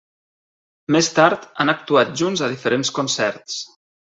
Més tard han actuat junts a diferents concerts.